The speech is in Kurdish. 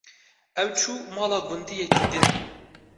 ew çû mala gundiyekî din.